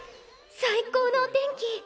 最高のお天気！